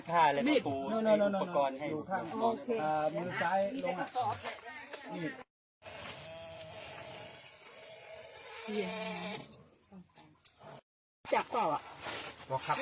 คราวเหมือนมาที่ที่ผมเอง